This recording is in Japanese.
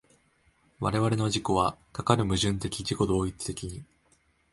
我々の自己はかかる矛盾的自己同一的に